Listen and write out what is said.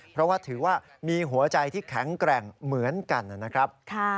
เพราะว่าถือว่ามีหัวใจที่แข็งแกร่งเหมือนกันนะครับ